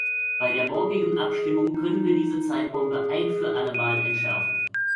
Bei der morgigen Abstimmung können wir diese Zeitbombe ein für alle Mal entschärfen.